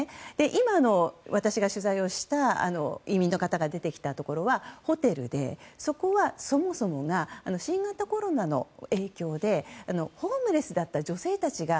今の私が取材をした移民の方が出てきたところはホテルで、そこはそもそもが新型コロナの影響でホームレスだった女性たちが